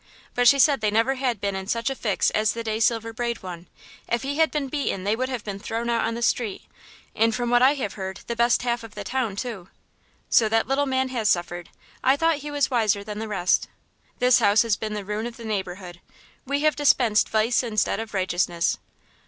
But she said they never had been in such a fix as the day Silver Braid won. If he had been beaten they would have been thrown out on the street, and from what I have heard the best half of the town too." "So that little man has suffered. I thought he was wiser than the rest.... This house has been the ruin of the neighbourhood; we have dispensed vice instead of righteousness."